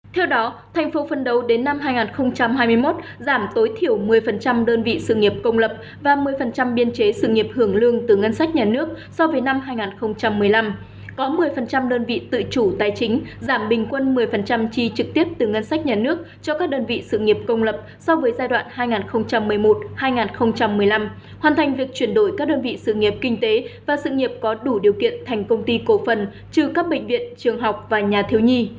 theo đó tp hcm đến năm hai nghìn hai mươi một giảm tối thiểu một mươi đơn vị sự nghiệp công lập và một mươi biên chế sự nghiệp hưởng lương từ ngân sách nhà nước so với năm hai nghìn một mươi năm có một mươi đơn vị tự chủ tài chính giảm bình quân một mươi chi trực tiếp từ ngân sách nhà nước cho các đơn vị sự nghiệp công lập so với giai đoạn hai nghìn một mươi một hai nghìn một mươi năm hoàn thành việc chuyển đổi các đơn vị sự nghiệp kinh tế và sự nghiệp có đủ điều kiện thành công ty cổ phần trừ các bệnh viện trường học và nhà thiếu nhi